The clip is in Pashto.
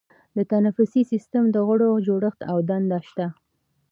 د تنفسي سیستم د غړو جوړښت او دندې شته.